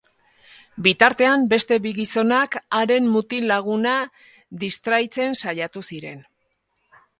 Bitartean, beste bi gizonak haren mutil-laguna distraitzen saiatu ziren.